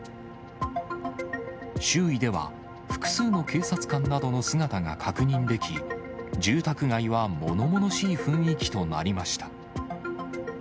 周囲では、複数の警察官などの姿が確認でき、住宅街はものものしい雰囲気となりました。